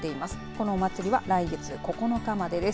この祭りは、来月９日までです。